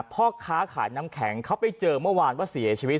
พ่อค้าขายน้ำแข็งเขาไปเจอเมื่อวานว่าเสียชีวิต